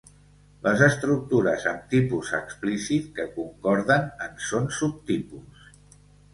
Les estructures amb tipus explícit que concorden en són subtipus.